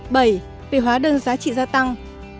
bảy về hóa đơn giá trị gia tăng